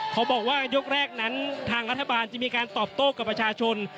เขาบอกว่ายกแรกนั้นทางรัฐบาลจะมีการตอบโต้กับประชาชน